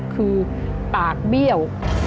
คือปากเบี้ยว